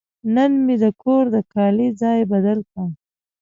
نن مې د کور د کالي ځای بدل کړ.